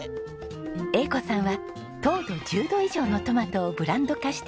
英子さんは糖度１０度以上のトマトをブランド化して販売。